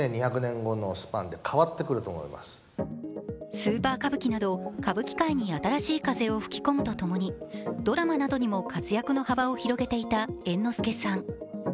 スーパー歌舞伎など歌舞伎界に新しい風を吹き込むとともにドラマなどにも活躍の幅を広げていた猿之助さん。